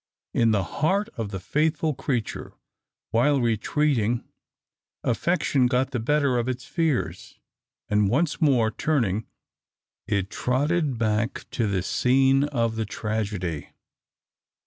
In the heart of the faithful creature, while retreating, affection got the better of its fears; and once more turning, it trotted back to the scene of the tragedy.